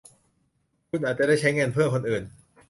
คุณอาจจะได้ใช้เงินเพื่อคนอื่น